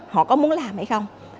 họ có muốn làm hay không